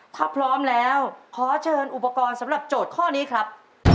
ถ้าพร้อมแล้วขอเชิญอุปกรณ์สำหรับโจทย์ข้อนี้ครับ